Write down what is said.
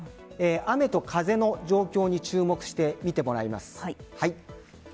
雨と風の状況に注目して見てもらいます。